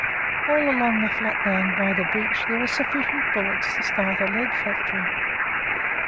All along the flat land by the beach there are sufficient bullets to start a lead factory.